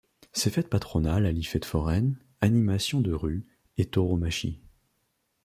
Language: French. Ces fêtes patronales allient fête foraine, animations de rue et tauromachie.